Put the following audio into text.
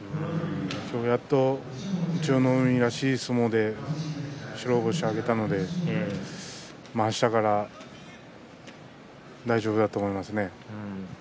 今日やっと千代の海らしい相撲で白星を挙げたので、あしたから大丈夫だと思いますね。